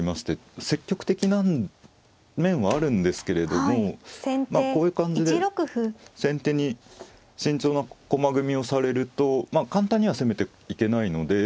積極的な面はあるんですけれどもこういう感じで先手に慎重な駒組みをされると簡単には攻めていけないので。